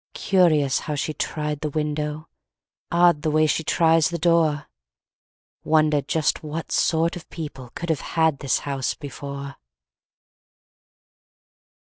Curious, how she tried the window, Odd, the way she tries the door, Wonder just what sort of people Could have had this house before